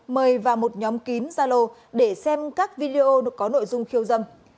mời vào một nhóm kín gia lô để xem các video có nội dung khiêu dâm